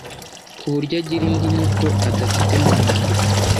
ku buryo agira indi nyito adafite mu mwandiko